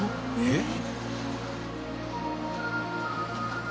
「えっ？」